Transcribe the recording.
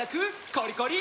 コリコリ！